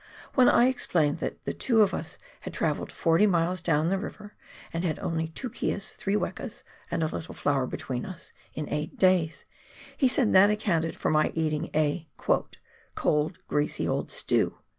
When I explained that two of us had travelled forty miles down the river, and had only two keas, three wekas and a little flour between us, in eight days, he said that accounted for my eating a " cold, greasy, old stew."